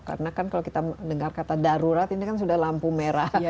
karena kan kalau kita dengar kata darurat ini kan sudah lampu merah